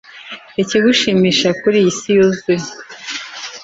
ikigushimisha, kuri iyi si yuzuye